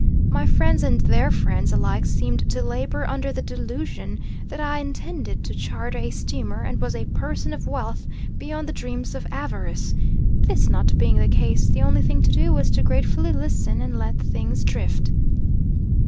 My friends and their friends alike seemed to labour under the delusion that I intended to charter a steamer and was a person of wealth beyond the dreams of avarice. This not being the case, the only thing to do was to gratefully listen and let things drift.